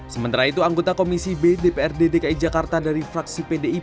sementara itu anggota komisi b dprd dki jakarta dari fraksi pdip